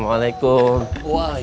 sampai kita lagi